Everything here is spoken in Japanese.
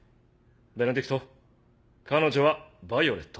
ベネディクト彼女はヴァイオレット。